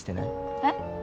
えっ？